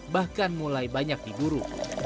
bahkan mulai banyak diguru